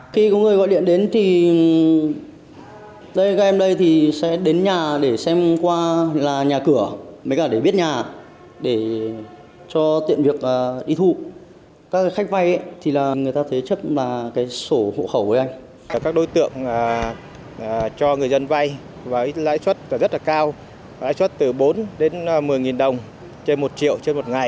kể từ tháng một mươi năm hai nghìn một mươi tám đến nay nhóm đối tượng này đã cho vay trên một trăm linh người dân với tổng số tiền trên một trăm năm mươi triệu đồng một triệu một ngày